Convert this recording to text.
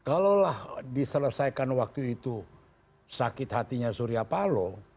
kalaulah diselesaikan waktu itu sakit hatinya surya palo